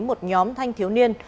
một nhóm thanh thiếu niên